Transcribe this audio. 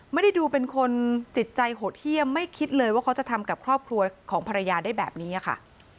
ไม่ได้ดูเป็นคนจิตใจโหดเยี่ยมไม่คิดเลยว่าเขาจะทำกับครอบครัวของภรรยาได้แบบนี้ค่ะ